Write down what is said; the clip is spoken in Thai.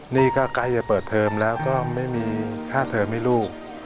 นี่ก็ใกล้จะเปิดเทอมแล้วก็ไม่มีค่าเทอมให้ลูก